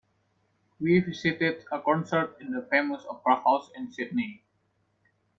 We visited a concert in the famous opera house in Sydney.